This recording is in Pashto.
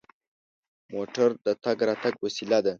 موټر د تګ راتګ وسیله ده.